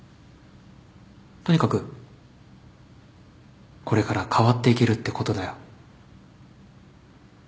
とにかくこれから変わっていけるってことだよ。